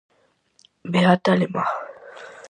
Beata alemá.